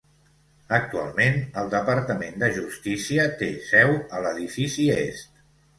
Actualment, el Departament de Justícia té seu a l'edifici est.